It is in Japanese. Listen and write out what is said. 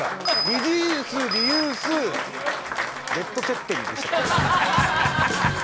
リデュースリユースレッド・ツェッペリンでしたっけ。